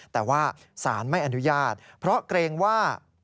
แต่ว่าสารไม่อนุญาตเพราะเกรงว่า